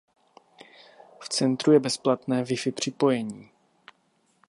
V centru je bezplatné wifi připojení.